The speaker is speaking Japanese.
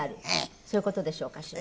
そういう事でしょうかしら？